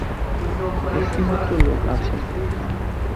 একটিমাত্র লোক আছে।